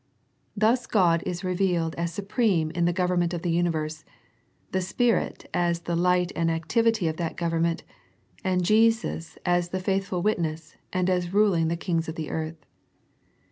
Thus God is revealed as su preme in the government of the universe, the Spirit as the light and activity of that govern ment, and Jesus as the faithful Witness, and as ruling the kings of the earth.